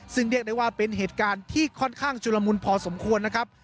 ซึ่งเรียกได้ว่าเป็นเหตุการณ์ที่ค่อนข้างชุลมุนพอสมควรนะครับ